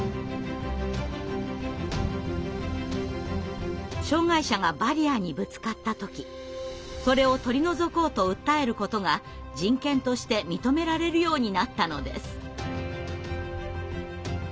そして障害者がバリアにぶつかった時それを取り除こうと訴えることが人権として認められるようになったのです。